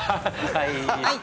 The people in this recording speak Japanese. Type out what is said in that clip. はい